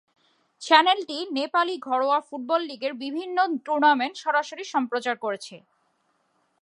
চ্যানেলটি নেপালি ঘরোয়া ফুটবল লিগের বিভিন্ন টুর্নামেন্ট সরাসরি সম্প্রচার করেছে।